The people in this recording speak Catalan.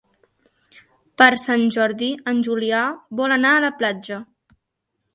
Per Sant Jordi en Julià vol anar a la platja.